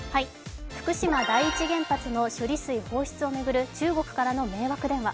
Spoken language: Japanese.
福島第一原発の処理水放出を巡る中国からの迷惑電話。